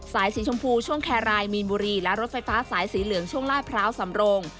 สีชมพูช่วงแครรายมีนบุรีและรถไฟฟ้าสายสีเหลืองช่วงลาดพร้าวสำโรง